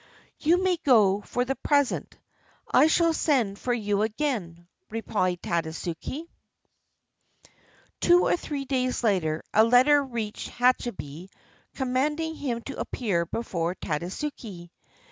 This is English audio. "You may go for the present. I shall send for you again," replied Tadasuke. Two or three days after, a letter reached Hachibei commanding him to appear before Tadasuke.